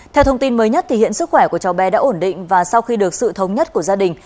theo thông tin mới nhất hiện sức khỏe của cháu bé đã ổn định và sau khi được sự thống nhất của gia đình